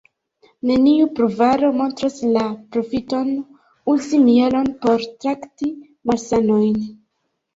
Neniu pruvaro montras la profiton uzi mielon por trakti malsanojn.